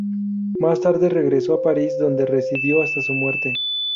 Más tarde regresó a París, donde residió hasta su muerte.